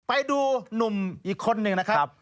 ไปดูหนุ่มอีกคนหนึ่งนะครับ